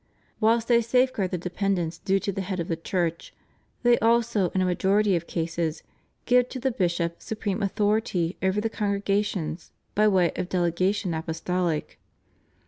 Whilst they safeguard the dependence due to the head of the Church, they also in a majority of cases give to the bishop supreme authority over the congregations by way of delegation apostolic.